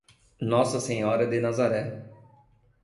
Nossa Senhora de Nazaré